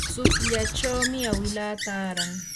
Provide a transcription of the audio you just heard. tsukllachawmi awilaa taaran.